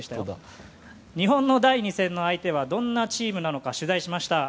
日本の第２戦の相手はどんなチームなのか取材しました。